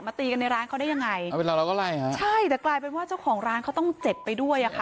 ตีกันในร้านเขาได้ยังไงเอาเป็นเราเราก็ไล่ฮะใช่แต่กลายเป็นว่าเจ้าของร้านเขาต้องเจ็บไปด้วยอ่ะค่ะ